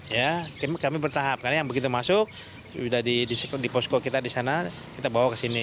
ya kami bertahap karena yang begitu masuk sudah di posko kita di sana kita bawa ke sini